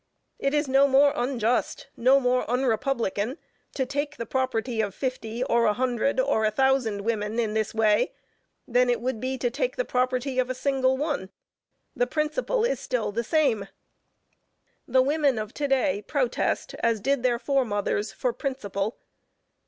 It is no more unjust, no more unrepublican, to take the property of fifty, or a hundred, or a thousand women in this way, than it would be to take the property of a single one; the principle is still the same. The women of to day, protest, as did their fore mothers, for principle.